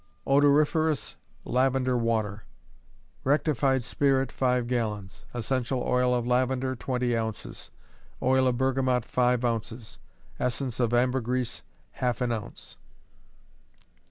Odoriferous Lavender Water. Rectified spirit, five gallons; essential oil of lavender, twenty ounces; oil of bergamot, five ounces; essence of ambergris, half an ounce.